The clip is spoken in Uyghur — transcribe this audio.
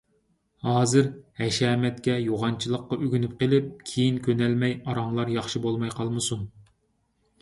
ھازىر ھەشەمەتكە، يوغانچىلىققا ئۆگىنىپ قېلىپ، كېيىن كۆنەلمەي ئاراڭلار ياخشى بولماي قالمىسۇن.